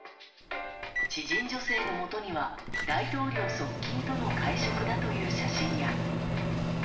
知人女性のもとには大統領側近との会食だという写真が。